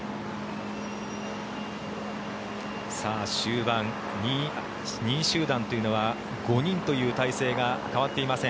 終盤、２位集団というのは５人という体制が変わっていません。